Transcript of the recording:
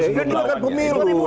dia bukan pemilu